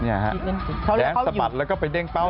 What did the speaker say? เอาสะบัดป้าวแล้วก็ไปเด้งเป้า